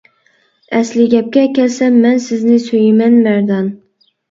ئەسلى گەپكە كەلسەم مەن سىزنى سۆيىمەن مەردان.